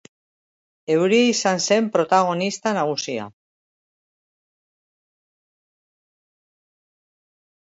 Euria izan zen protagonista nagusia.